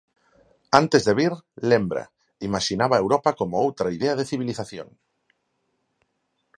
Antes de vir, lembra, imaxinaba Europa como outra idea de civilización.